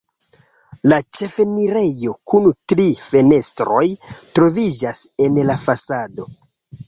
La ĉefenirejo kun tri fenestroj troviĝas en la fasado.